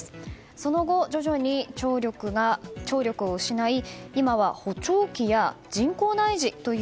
その後、徐々に聴力を失い今は補聴器や、人工内耳という